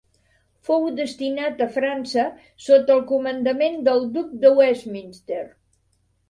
Fou destinat a França sota el comandament del Duc de Westminster.